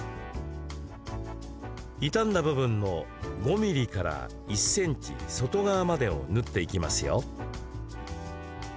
傷んだ部分の５ｍｍから１ｃｍ外側までを縫っていきますよ。